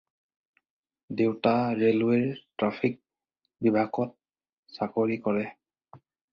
দেউতা ৰেলৱেৰ ট্ৰেফিক বিভাগত চাকৰি কৰে।